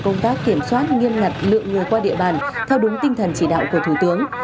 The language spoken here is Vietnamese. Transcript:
công tác kiểm soát nghiêm ngặt lượng người qua địa bàn theo đúng tinh thần chỉ đạo của thủ tướng